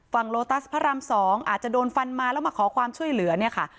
โลตัสพระราม๒อาจจะโดนฟันมาแล้วมาขอความช่วยเหลือเนี่ยค่ะ